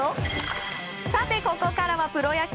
ここからはプロ野球。